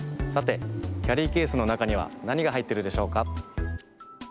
さてキャリーケースのなかにはなにがはいってるでしょうか？